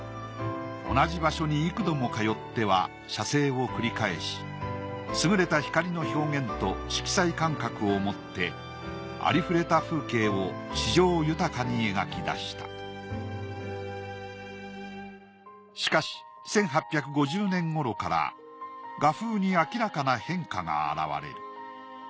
同じ場所に幾度も通っては写生を繰り返し優れた光の表現と色彩感覚を持ってありふれた風景を詩情豊かに描き出したしかし１８５０年頃から画風に明らかな変化が現れる。